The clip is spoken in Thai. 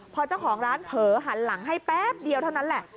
พอเจ้าของร้านเผลอหันหลังให้แป๊บเดียวเท่านั้นแหละ